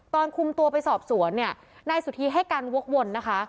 ตอนคุมตัวไปสอบสวนเนี่ยนายสุธีให้การวกวนนะคะ